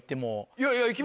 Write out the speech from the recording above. いやいや。